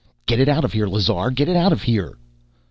"Get it out of here, Lazar! Get it out of here!"